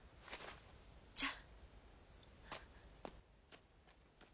じゃあ。